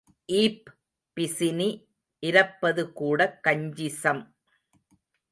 Ebb பிசினி இரப்பதுகூடக் கஞ்சிசம்.